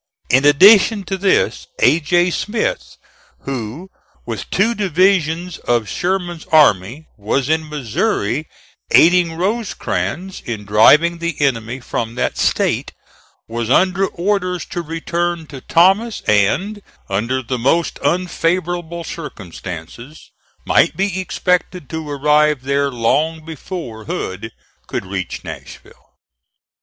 In addition to this, A. J. Smith, who, with two divisions of Sherman's army, was in Missouri aiding Rosecrans in driving the enemy from that State, was under orders to return to Thomas and, under the most unfavorable circumstances, might be expected to arrive there long before Hood could reach Nashville.